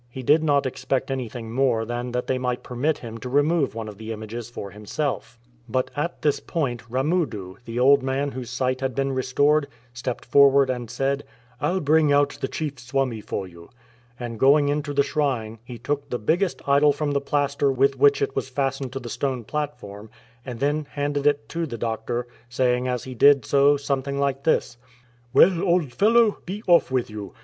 He did not expect anything more than that they might permit him to remove one of the images for himself. But at this point Ramudu, the old man whose sight had been restored, stepped forward and said, " I'll bring out the chief Swami for you "; and going into the shrine he shook the biggest idol from the plaster with which it was fastened to the stone platform, and then handed it to the doctor, saying as he did so something like this :—" Well, old fellow, be off with you